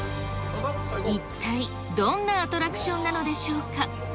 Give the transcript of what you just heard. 一体どんなアトラクションなのでしょうか。